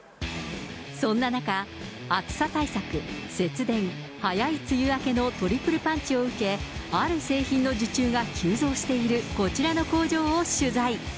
そんな中、暑さ対策、節電、早い梅雨明けのトリプルパンチを受け、ある製品の受注が急増しているこちらの工場を取材。